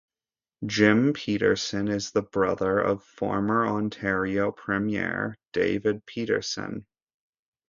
Jim Peterson is the brother of former Ontario Premier David Peterson.